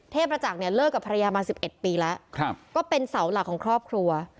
ประจักษ์เนี่ยเลิกกับภรรยามา๑๑ปีแล้วก็เป็นเสาหลักของครอบครัว